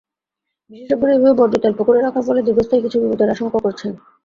বিশেষজ্ঞরা এভাবে বর্জ্য তেল পুকুরে রাখার ফলে দীর্ঘস্থায়ী কিছু বিপদের আশঙ্কাও করছেন।